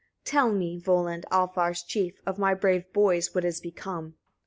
30. "Tell me, Volund, Alfars' chief! of my brave boys what is become?"